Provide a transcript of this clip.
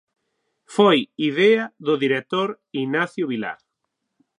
Foi idea do director Ignacio Vilar.